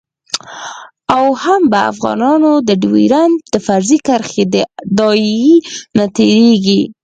او هم به افغانان د ډیورند د فرضي کرښې د داعیې نه تیریږي